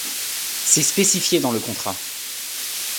C'est spécifié dans le contrat.